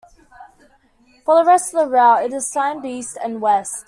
For the rest of the route, it is signed "East" and "West".